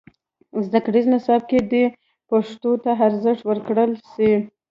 زدهکړیز نصاب کې دې پښتو ته ارزښت ورکړل سي.